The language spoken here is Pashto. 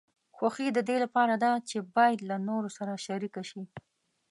خوښي د دې لپاره ده چې باید له نورو سره شریکه شي.